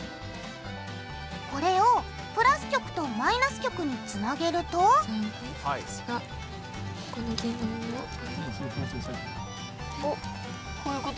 これをプラス極とマイナス極につなげるとこういうこと？